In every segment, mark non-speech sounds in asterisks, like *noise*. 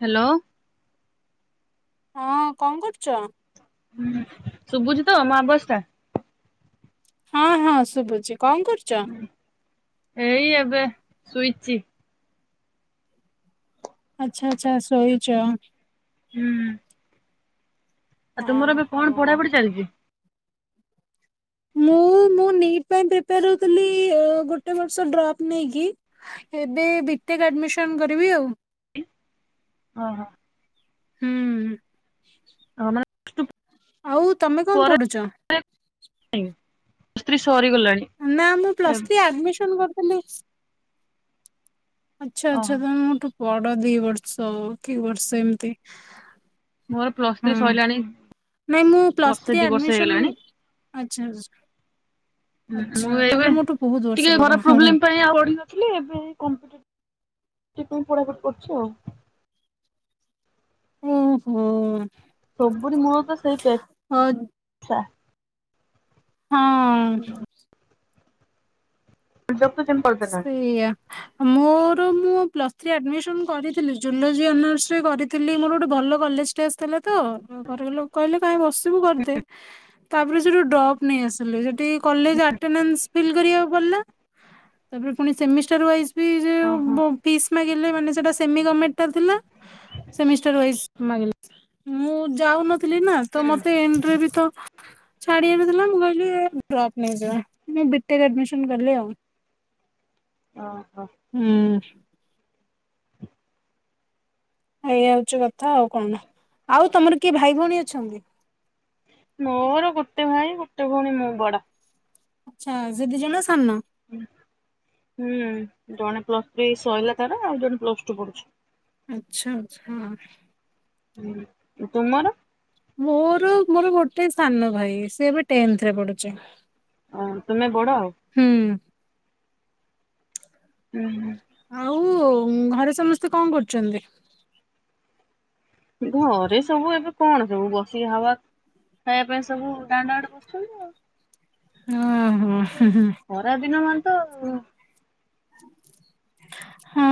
Hello ହଁ କଣ କରୁଚ? ହୁଁ ଶୁଭୁଛିୁ ତ ମା ବସ ଟା। ହଁ ହଁ ଶୁବୁଚି। ହୁଁ ଏଇ ଏବେ ସୁଇ ଚି ଆଚ୍ଛା ଆଚ୍ଛା ସୋଇଚ। ହୁଁ। ଆଉ ତୁମର ହଁ ଏବେ କଣ ହଁ। ପଢାପଢି ଚାଲିଚି। ମୁଁ ମୁଁ ନିଟ୍ ପାଇଁ ପ୍ରିପୋର ହେଉଥିଲି ଗୋଟେ ବର୍ଷ ଡ୍ରପ୍ ନେଇକି। ଏବେ ବି ଟେକ୍ ଆଡମିସନ୍ କରିବି ଆଉ। ଓ ହୋ। ହୁଁ। ଅ ନା *unintelligible* ଆଉ ତମେ କଣ ପଡୁ ଚ *unintelligible* ନା ମୁ ପ୍ଲସ୍ ଥ୍ରୀ ଓହୋ ଆମିସନ କର *unintelligible* ଆଚ୍ଛା ଆଚ୍ଛା ହଁ ମୁଁ ତ ବଡ ଦି ବର୍ଷ କି ବର୍ଷେ ଏମ୍ ତି-' ମୋର ପ୍ଲସ ଥ୍ରୀ ସଇଲାଣି ମୁଁ *inaudible* ପ୍ଲସ୍ ବର୍ଷେ ଥ୍ରୀ ଦି ବର୍ଷେ ଆଡମିସନ ହେଇଗଲାଣି। ଆଚ୍ଛା *inaudible* ଉଁ ଆଚ୍ଛା ହୁଁ ମୁ ତାହେଲେ ଏବେ ମୋଠୁ ବହୁତ ବର୍ଷ ଟିକେ ବଡ। ଘର ପ୍ରୋବ୍ଲେମ ପାଇଁ ଆଉ ପଢ଼ି ନଥିଲି। ଏବେ କମ୍ କିଏ କଣ ପଢ଼ାପଢ଼ି କର୍ ଚି ଆଉ। ଉଁ ହୁଁ ସବୁୁରୀ ମୁଳତ ସେଇ ପେ ସା ହଁ *unintelligible* ସେଇଆ ମୋ ରୁମୁଁ ପ୍ଲସ୍ ଥ୍ରୀ ଆଡମିସନ କରିଥିଲି ଜୁଲୋଜି ଅନର୍ସ ରେ କରିଥିଲି। ମୋର ଗୋଟେ ଭଲ କଲେଜଟେ ଆସିଥିଲା। ତ ଘର ଲୋକ୍ କହିଲେ କାହିଁ ବଶ୍-' ତୁ କରିଦେ ତାପରେ ସେଠୁ ଡପ୍ ନେଇଆସିଲେ ସେ କଲେଜ ଆଟେନାଶ୍ ପିଲ୍ କରିବାକୁ ଗଲା। ତାପରେ ପୁଣି ସେମିଷ୍ଟର ୱାଇଜ୍ ଏଇ ଯେଉ ଓହୋ। ମ ପିସ ମାଗ ପିଲେମାନେ ସେଟା ସେମି ଗର୍ମେଣ୍ଟ ଟା ଥିଲା। ସେମିଷ୍ଟର ୱାଇସ ମାଗିଲ୍ ମୂ ଯାଉ ନ ଥିଲିନା ତ ମତେ ଏଣ୍ଟର ବିତ ଛାଡ଼ି ନଥିଲା ମୁଁ କହିଲି ଏ ଡ୍ରପ ନେଇଯିବା ମୁଁ ବି ଟେକ୍ ଆଡମିସନ କଲି ଆଉ। *inaudible* ହୁଁ। ଏଇ ହଉଚି କଥା ଆଉ କଣ ନା ଆଉ ତମର କିଏ ଭାଇ ଭଉଣୀ ଅଛନ୍ତି। *inaudible* ମୋର ଗୋଟେ ଭାଇ ଗୋଟେ ଭଉଣୀ ମୁଁ ବଡ। ଆଛା ସେଦି ଜଣ ସାନ। ହୁଁ ଜଣେ ପ୍ଲସ ଥ୍ରୀ ସଇଲା ତାର ଆଉ ଜଣେ ପ୍ଲସ୍ ଟୁ ପଢୁଛି। ଆଚ୍ଛା ଆଚ୍ଛା। ଓ ତୁମର ମୋର ମୋର ଗୋଟେ ସାନ ଭାଇ ସିଏ ଏବେ ଟେନ୍ଥରେ ପଢୁଛି। ଓ ତୁମେ ବଡ? ହୁଁ। ଉଁ, ହୁଁ, ଆଉ ଉଁ ଘରେ ସମସ୍ତେ କଣ କରୁଚନ୍ତି? ଘରେ ସବୁ ଏବେ କଣ ସବୁ ବସି ହାବା ଖାଇବା ପାଇଁ ସବୁ ଦାଣ୍ଡ ଆଡେ ବସିଛନ୍ତି ଆଉ। ହଁ, ହଁ। ଖରା ଦିନ ମାନ୍ ହଁ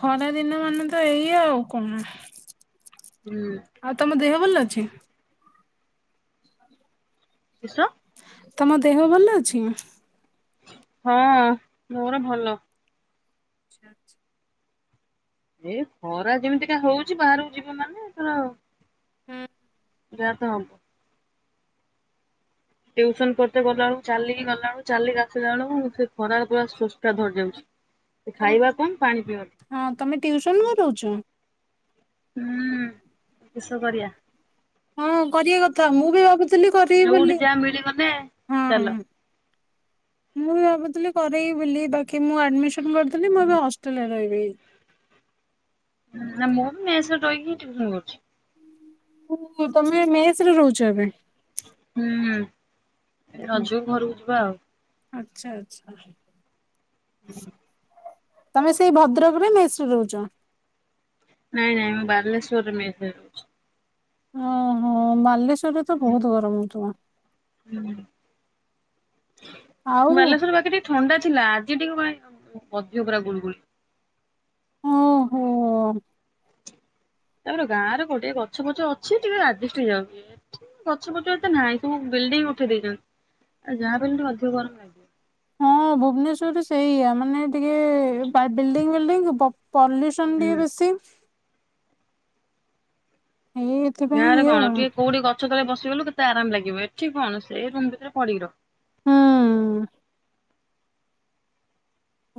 ଖରା ଦିନ ମାନେ ତ ଏଇ ଆଉ କଣ। ଆଉ ତୋମ ଦେହ ଭଲ ଅଛି? କିଶ? ତୋମ ଦେହ ଭଲ ଅଛି? ହଁ ମୋର ଭଲ। ଆଚ୍ଛା ଆଚ୍ଛା। ଏ ଖରା ଯେମିତିକା ହଉଚି ବାହାରକୁ ଯିବ ମାନେ ଏଥର ହୁଁ, ଯା ତ ହଉ ଟିଉସନ ପଢିତେ ଗଲା ବେଳକୁ ଚାଲିକି ଗଲା ବେଳକୁ ଚାଲିକି ଆସିଲା ବେଳକୁ ସେ ଖରାର ପୁରା ସୁଷ୍ଟା ଧରି ଯାଉଛି। ତୋମ ଖାଇବା କମ୍ ପାଣି ପିଇବା ଅଧିକ। ହଁ ତୋମେ ଟିଉସନ କରଉଛ। ହୁଁ, କିସ କରିବା। ହଁ କରିବା କ ଥା ମୁଁ ବି ଭାବୁଥି ଥିଲି କରିବି ଯୋଉଠି ବୋଲି ଯାହା ମିଳିଗଲେ ହଁ। ଚାଲ। ମୁଁ ବି ଭାବୁଥିଲି କରେଇ ବୋଲି ବାକି ମୁଁ ଆଡମିସ *unintelligible* କରିଥିଲି ମୁଁ ହୁଁ ଏବେ ହଷ୍ଟ୍ରେଲ୍ ରେ ରହିବି। *inaudible* ନା ମୁଁ ବି ମେସ୍ ରେ ରହିକି ଟିଉସନ କରୁଛି। ଓ ହୋ ତୋମେ ମେସ୍ ରେ ରହୁଛ ଏବେ। ହୁଁ। ରଜକୁ ଘରକୁ ଯିବା ଆଉ। ଆଚ୍ଛା ଆଚ୍ଛା। *inaudible* ତୋମେ ସେଇ ଭଦ୍ରକରେ ମେସ୍ ରେ ରହୁଚ। ନାଇଁ ନାଇଁ ମୁଁ ବାଲେଶ୍ୱରରେ ମେସ୍ ରେ ରହୁଚି। ଓ ହୋ ବାଲେଶ ସେଠି ତ ବହୁତ ଗରମ ହଉଥୁବ? ହୁଁ। ଆଉ ବାଲେଶ୍ଵର ପାଖେରେ ଥଣ୍ଡା ଥିଲା ଆଜି ଟିକେ କ ଅଧ ପୁରା ଗୁଳୁ ଗୁଳି। ଓହୋ ତାପରେ ଗାଁରେ ଗୋଟେ ଗଛ ପଛ ଅଛି ଟିକେ ରାଜଷ୍ଟଠ ଯାଉଛି ଏଠ ଗଛ ପଛ ଏତେ ନାହିଁ ସବୁ ବିଲଡିଙ୍ଗ ଉଠେଇ ଦେଇଛନ୍ତି ଆଉ ଯାହାବ ଅଧିକ ଗରମ ଲାଗିବ। ହଁ ଭୁବନେଶ୍ଵରରେ ସେଇଆ ମାନେ ଟିକେ ବିଲଡିଙ୍ଗ ଫିଲ୍ଡିଙ୍ଗ ପଲ୍ୟୁସନ୍ ଟିକେ ହୁଁ ବେଶୀ। ଏଇ ଗାଁ ଏଥିପାଇଁ ରେ ଇଏ କଣ ଆଉ ହୁଁ। ଟିକେ କୋଉଠି ଗଛ ତଳେ ବସ ବସି ଗଲୁ କେତେ ଆରାମ ଲାଗିବ ଏଠି କଣ ସେ ରୁମ ଭିତରେ ପଡିିିବ। ହୁଁ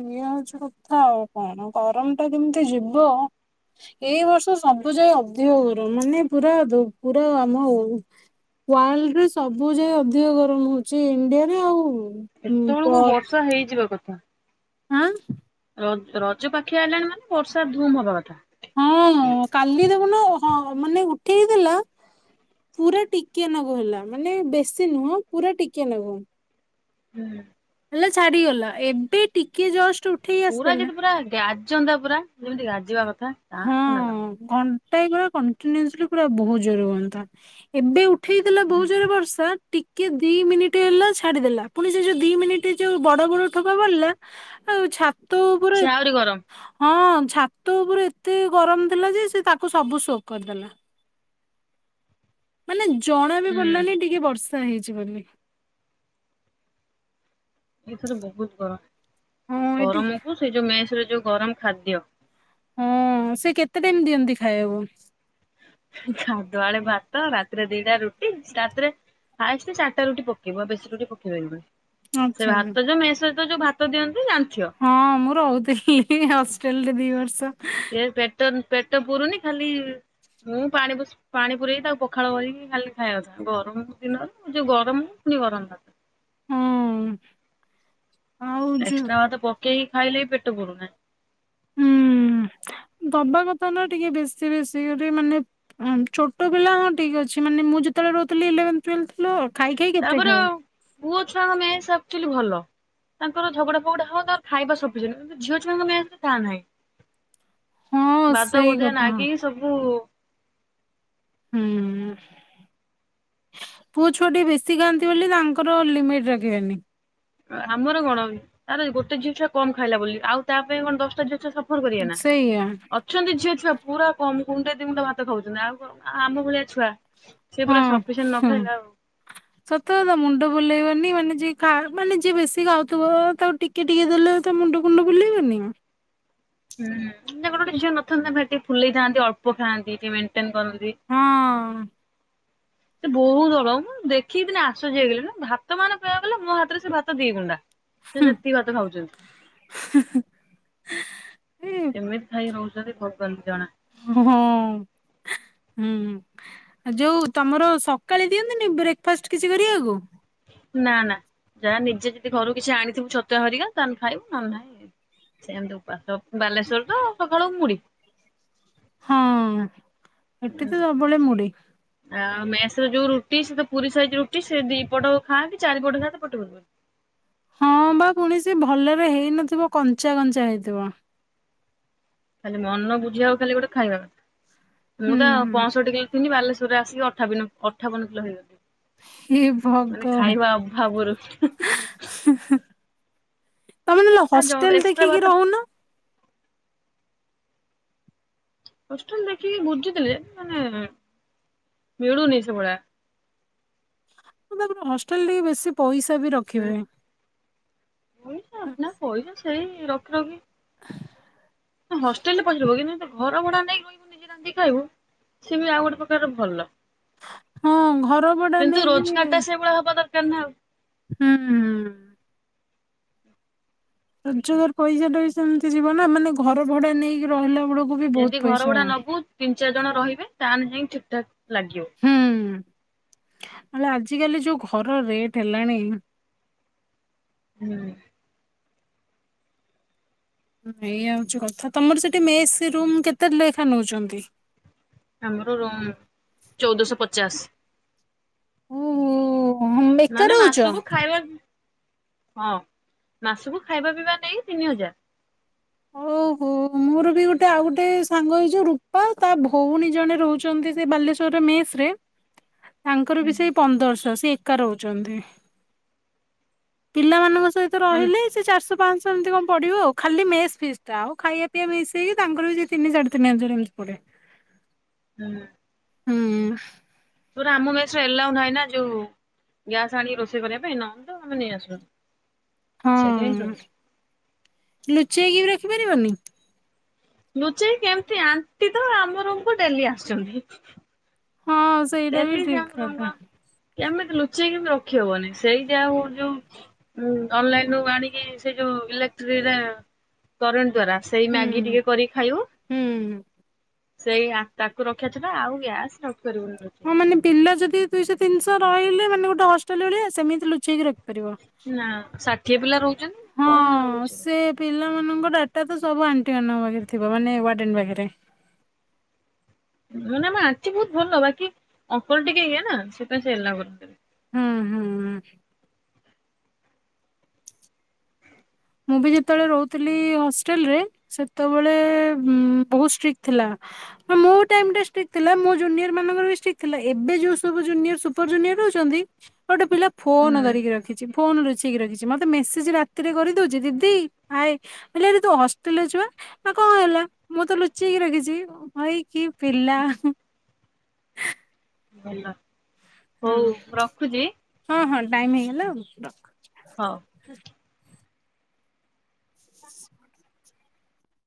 ଇଏ ହଉଛି କଥା ଆଉ କଣ ଗରମ ଟା କେମିତି ଯିବ ଏଇ ବର୍ଷ ସବୁ ଯାଏ ଅଧିକ ଗରମ ମାନେ ପୁରା ପୁରା ଆମ ଉୟାର୍ଲଡରେ ସବୁ ଯାଏ ଅଧିକ ଗରମ ହଉଛି ଇଣ୍ଡିଆରେ ଆଉ। ହୁଁ ଏତେ ବଳକୁ ବର୍ଷା ହେଇଯିବା କଥା। ଛା ହଁ ର ରଜ ପାଖି ଆଇଲାଣି ମାନେ ବର୍ଷା ଧୁମ୍ ହବା କଥା। ହଁ କାଲି ଦେଖୁନୁ ହଁ ମାନେ ଠିକ ଦେଲା ପୁରା ଟିକିଆ ନାଗୁ ହେଲା। ମାନେ ବେଶୀ ନୁହଁ ପୁରା ଟିକିଆ ନାଗୁ ହୁଁ ହେଲେ ଛାଡି ଗଲା ଏବେ ଟିକେ ଜଷ୍ଟ୍ ପୁରା ଯଦି ପୁରା ଗ୍ୟା *unintelligible* ପୁରା ଯେମିତି ଗାଜିବା କ *unintelligible* ଟାଇମ ହେଲା କଣ୍ଟିନିଓସ୍ଲି ପୁରା ବହୁତ ଜୋର ହୁଅନ୍ତା। ଏବେ ଉ ଉଠେଇଥିଲା ବହୁ ଜରେ ବର୍ଷା ଟି କିଏ ଦି ମିନିଟ୍ ହେଲା ଛାଡିଦେଲା। ପୁଣି ସେ ଯୋଉ ଦି ମିନିଟ୍ ଯୋଉ ବଡ ବଡ ଠୋପା ପଡିଲା ଆଉ ଛା ସେ ଆହୁରି ଗରମ୍। ଛାତ ଉପରେ ଏତେ ଗରମ ଥିଲା ଯେ ସେ ତାକୁ ସବୁ ଶୋକ୍ କରିଦେଲା। ମାନେ ଜଣା ବି ହୁଁ ପଡିଲାନି ଟିକେ ବର୍ଷା ହେଇଛି ବୋଲି। ଏଥର ବହୁତ ହଁ ଗରମ। ଏଠି ଗରମକୁ ସେଇ ଯୋଉ ମେସେରେ ଯଉ ଗରମ ଖାଦ୍ୟ। ହଁ ସେ କେତେ ଟାଇମ୍ ଦିଅନ୍ତି ଖାଇବାକୁ। ସାଧୁଆଡେ ଭାତ ରାତିରେ ଦିଟା ରୁଟି ରାତିରେ ଖାଇସେ ଚାରିଟା ରୁଟି ପକେଇବ। ବେଶୀ ରୁଟି ପକେଇ ପାରିବେନି। ସେ ଆଚ୍ଛା ଆଚ୍ଛା। ଭାତ ଯୋଉ ମେସେରେ ଭାତ ଯୋଉ ଭାତ ଦିଅନ୍ତି ଜା ହଁ ମୁଁ ରହୁଥିଲି ହଷ୍ଟେଲ୍ ରେ ଦି ବର୍ଷ। ସେ ପେଟନ୍ ପେଟ ପୁରୁନି ଖାଲି ମୁଁ ପାଣି ପାଣି ପୁରେଇକି ତାକୁ ପଖାଳ କରିକି ଖାଲି ଖାଇବା କଥା। ଗରମ ଦିନରୁ ଯୋଉ ଗରମ ହୁଣି ଗରମ ଭାତ। ହୁଁ। *inaudible* ଏକ୍ସଟ୍ରା ଭାତ ବ କେହି ଖାଇଲେ ହିଁ ପେଟ ପୁରୁନାହିଁ। ହୁଁ ଦବା କଥା ନା ଟିକେ ବେଶୀ ବେଶୀ ମାନେ ଛୋଟ ପିଲା ହଁ ଠିକ୍ ଅଛି। ମାନେ ମୁଁ ଯେତେବେଳେ ରହୁଥିଲି ଇଲେଭେନ୍ ଟୁଏଲ୍ ଥେ ତାପରେ ପୁଅ ଛୁଆଙ୍କ ମେସେ ସବ ଆଚୁଆଲି ଭଲ ତାଙ୍କର ଝଗଡା ଫଗଡା ହବ ତ ଖାଇବା ସପିସେଣ୍ଟ। କିନ୍ତୁ ଝିଅ ଛୁଆଙ୍କ ତା ନାହିଁ। ହଁ ବାଦ ସେଇ ବୁଦିଆ କଥା ନାଗିକି ସବୁ ହୁଁ *inaudible* ପୁଅ ଛୁଆ ବେଶୀ ଖାଆନ୍ତି ବୋଲି ତାଙ୍କର ଲିମିଟ୍ ରଖିବେନି। ଆମର କଣ ତାର ଗୋଟେ ଜିନିଷ କମ ଖାଇଲା ବୋଲି ଆଉ ତା ପାଇଁ କଣ ଦଶଟା ଜିନିଷ କରିଆ ନା ସେଇଆ ଅଛନ୍ତି ଝିଅ ଛୁଆ ପୁରା କମ ଗୁଣ୍ଡେ ଦି ଗୁଣ୍ଡା ଭାତ ଖାଉଛନ୍ତି। ଆଉ କଣ ଆମ ଭଳିଆ ଛୁଆ ସେ ହଁ ପୁରା ସଫିସିଏଣ୍ଟ ନ ହୁଁ ଖାଇଲେ ଆଉ ସତ କଥା ମୁଣ୍ଡ ବୁଲେଇବନି ମାନେ ଯିଏ ଖା ମାନେ ଯିଏ ବେଶୀ ଖାଉଥିବ ତାକୁ ଟିକେ ଟିକେ ଦେଲେ ତା ମୁଣ୍ଡ ଫୁଣ୍ଡ ବୁଲେଇବନି । ହୁଁ ଗୋଟେ ଗୋଟେ ଝିଅ ନଥାନ୍ତି ସେ ଟିକେ ଫୁଲେଇ ଥାଆନ୍ତି ଅଳ୍ପ ଖାଆନ୍ତି। ସେମାନେ ମେଣ୍ଟେନ କରନ୍ତି। *inaudible* ହଁ ସେ ବହୁତ ଅଳପ ମୁଁ ଦେଖିକି ଦିନେ ଆଶ୍ଚର୍ଯ୍ୟ ହେଇଗଲି। ଭାତ ମାନେ କହିଆକୁ ଗଲେ ମୋ ହାତରେ ସେ ଭାତ ଦି ଗୁଣ୍ଡା ସେ ହୁଁ। ଯେତିକି ଭାତ ଖାଉଛନ୍ତି। ଏ *inaudible* କେମିତି ଖାଇ ରହୁ ଛନ୍ତି ଭଗବାନଙ୍କୁ ଜଣା। ହଁ ହୁଁ ଯୋଉ ତମର ସକାଳେ ଦିଅନ୍ତିନି ବ୍ରେକ୍ ଫାଷ୍ଟ କିଛି କରିବାକୁ। ନା ନା ଯାହା ନିଜେ ଯଦି ଘରୁ କିଛି ଆଣିଥିବୁ ଛତୁଆ ହେରିକା ତାହେଲେ ଖାଇବୁ ନେଲେ ନାଇ ସେମିତି ଉପାସ ବାଲେଶ୍ଵର ତ ସକାଳୁ ମୁଢି। ହଁ। ଏଠି ତ ସବୁବେଳେ ମୁଢି। ଆଉ ମେସ ର ଯୋଉ ରୁଟି ସେ ତ ପୁରୀ ସାଇଜ ରୁଟି ସେ ଦି ପଟ ଖାଆ କି ଚାରିପଟ ଖାଆ ତୋ ପେଟ ପୂରିବନି। ହଁ ବା ପୁଣି ସେ ଭଲରେ ହେଇନଥିବ କଞ୍ଚା କଞ୍ଚା ହେଇଥିବ। ଖାଲି ମନ ବୁଝିଆଉ ଖାଲି ଗୋଟେ ଖାଇବା କଥା। ହୁଁ ମୁଁ ତ ହୁଁ ପଞ୍ଚଷଠି କିଲ ଥିଲି ବାଲେଶ୍ଵ ରେ ଆସିକି ଅଠାବନ ଅଠାବନ କିଲୋ ହେଇଗଲି। ହେ ମାନେ ଭଗବାନ। ଖାଇବା ଅଭାବରୁ *inaudible* ହୁଁ ହୁଁ। ତମେ ନହଲେ ଆ ଜ ହଷ୍ଟେଲ ଏକ୍ସଟ୍ରା ଦେଖିକି ଭାତ ରହୁନ? ହଷ୍ଟେଲ ଦେଖିକି ବୁଝୁଥିଲି ଯେ ମାନେ *inaudible* ମିଳୁନି ସେଭଳିଆ। *inaudible* ତାପରେ ହଷ୍ଟେଲ ଟିକେ ବେଶୀ ପଇସା ବି ରଖିବେ। ପଇସା ନା *inaudible* ପଇସା *unintelligible* ହଷ୍ଟେଲ ରେ ପଚାରିବ କିନ୍ତୁ ଘର ଭଡା ନେଇକି ରହିବୁ ନିଜେ ରାନ୍ଧି ଖାଇବୁ ସିଏ ବି ଆଉ ଗୋଟେ ପ୍ରକାରର ଭଲ ନାଇକି ହଁ ଘର ଭଡା ନେଇକିରି କାର ନାଁ ଆଉ। ହୁଁ ହୁଁ। ରୋଜଗାର ପଇସା ଟା ବି ସେମିତି ଯିବ ନା ମାନେ ଘର ଭଡା ନେଇକି ରହିଲା ବେଳକୁ ବି ବହୁତ ଯଦି ପଇସା ଘରଭଡା ନବୁ ତିନି ଚାରି ଜଣ ରହିବେ ତାହେଲେ ଯାଇ ଠିକ୍ ତା ଲାଗିବ। ନହେଲେ ଆଜିକାଲି ଯୋଉ ଘର ରେଟ ହେଲାଣି ହୁଁ। ଏୟା ହଉଛି କଥା ତମର ସେଠି ମେସ୍ ରୁମ୍ କେତେ ଲେଖା ନଉଛନ୍ତି? ଆମର ର ଚଉଦଶହ ପଚାଶ। ହୁଁ ହୁଁ। ଓ ଏକା ମାନେ ରହୁଛ। ମାସକୁ ଖାଇବା ହଁ ମାସକୁ ଖାଇବା ପିଇବା ନାଇଁ ତିନି ହଜାର ଓହୋ ମୋର ବି ଗୋଟେ ଆଉ ଗୋଟେ ସାଙ୍ଗ ହେଇଛ ରୂପା ତା ଭଉଣୀ ଜଣେ ରହୁଛନ୍ତି ସେ ବାଲେଶ୍ୱଵର ମେସ ରେ ତାଙ୍କର ବି ସେଇ ପନ୍ଦରଶହ ସେ ହୁଛନ୍ତି ପିଲାମାନଙ୍କ ସତ ମାନେ ରହିଲେ ସେ ଚାରଶହ ପାଞ୍ଚହ ଏମିତି କଣ ପଡିବ ଆ ଖାଲି ମେ ଫି ଟା ଆଉ ଖାଇବା ପିଇବା ମିଶେଇକି ତାଙ୍କର ବି ସେ ତିନି ଚାର ତିନି ହଜାର ଏମିତି ପଡେ। ହୁଁ। ହୁଁ। ପ ଆମ ଗସରେ ଏଲା ନାହିଁ ନା ଯୋଉ ଗ୍ୟାସ ଆଣିକି ରୋଷେଇ କରିବା ପାଇଁ ନହ ତ ଆମେ ନେଇ ଆସୁ। ହଁ। ସେଇଟା ହିଁ ପ୍ରୋବ୍ଲେମ୍। ଲୁଚେଇକି ବି ରଖିପାରିବନି? ଲୁଚେଇ କେମିତି ଆଣ୍ଟି ତ ଆମରଙ୍କୁ ଡେଲି ଆସିଛନ୍ତି। ହଁ ସେଇଟା ବି ଠିକ କଥା। କେମିତି ଲୁଚେଇକି ରଖ ହବନି ସେଇ ଯାହା ହୋଉ ଯୋଉ ହୁଁ ଅନଲାଇନୁ ଆଣିକି ସେ ଯୋଉ ଇଲେକ୍ଟ୍ର କରେଣ୍ଟ ଦ୍ଵାରା ସେଇ ମ୍ୟାଗି ହୁଁ ଟିକେ କରିକି ଖାଇବ। ହୁଁ। ସେଇ ତାକୁ ରଖିବା ଥିବା ଆଉ ଗ୍ୟାସ୍ ରଖି ପରିବୁନି। ହଁ ମାନେ ବିଲ ଯଦି ଦୁଇଶହ ତିିହ ରହିଲେ ମାନେୋଟେ ହଷ୍ଟେଲ ଭଳିଆ ସେମତି ଲୁଚେଇକି ରଖିବ। ନା ଷାଠିଏ ପିଲା ରହୁଛନ୍ତି ହଁ କଣ ରହୁଛି। ସେ ଡାଟା ତ ସବୁ ଆଣ୍ଟି ମାନଙ୍କ ପାଖରେ ଥିବା ମାନେ ୱାଡେନ ପାଖରେ? ମାନେ ଆମେ ଆଣ୍ଟି ବହୁତ ଭଲ ବାକି ଅଙ୍କଲ ଟିକେ ଇଏ ନା ସେଟାଇ ସେ ଏଲା କର ହୁଁ ହୁଁ। ମୁଁ ବି ଯେତେବେଳେ ରହୁଥିଲି ହଷ୍ଟେଲରେ ସେତେବେଳେ ବହୁତଷ୍ଟ୍ରିକ ଥିଲା ମୋ ଟାଇମ ଷ୍ଟ୍ରିକ ଥିଲା ମୋ ଯୋନିୟର ମାନଙ୍କର ଠିକ ଥିଲା ଏବେ ଯୋଉ ସବୁ ଜୁନିୟର ସୁପର ଜୁନିୟର ରହୁଛନ୍ତି। ଗୋଟେ ପିଲା ଫୋନ ହୁଁ ଧରିକି ରଖିଛି। ଫୋନ୍ ଲୁଚେଇକିଖିଛି ମତେ ମେସେଜ ରାତିରେ କରି ଛି ଦିଦି ଆଏ ହେଲେ ଆରେ ତୁ ହଷ୍ଟେଲରେ ଯୁଆ ଆ କଣ ହେଲା ମୁଁ ତ ଲୁଚେଇକି ରଖିଛି ହେଇକ ପିଲା ଭଲ। ହଁ ହଉ ରଖୁଛି। ହଁ ହଁ ଟାଇମ ହେଇଗଲା ଆଉ ରଖ। ହଉ। ହୁ *inaudible*